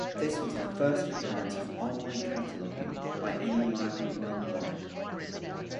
This was the first occurrence of online cataloging by any library worldwide.